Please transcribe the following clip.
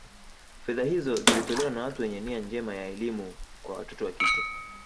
Fedha hizo zilitolewa na watu wenye nia njema ya elimu kwa watoto wa kike